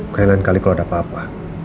kalian lain kali kalau ada apa apa